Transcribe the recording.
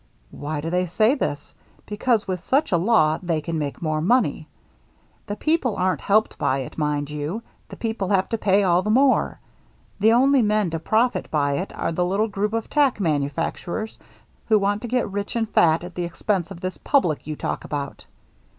Why do they say this ? Because with such a law they can make more money. The people aren't helped by it, mind you ; the people have to pay all the more. The only men to profit by it are the little group of tack manufacturers who want to get rich and fat at the expense of this public you talk about.